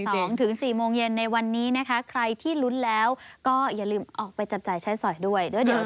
ลุ้นกันจริงนะคะบ่าย๒๔โมงเย็นในวันนี้นะคะใครที่ลุ้นแล้วก็อย่าลืมออกไปจับจ่ายใช้สอยด้วย